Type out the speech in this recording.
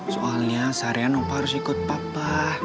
soalnya seharian opa harus ikut papa